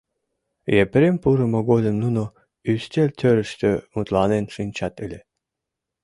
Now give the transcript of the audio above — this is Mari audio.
Епрем пурымо годым нуно ӱстелтӧрыштӧ мутланен шинчат ыле.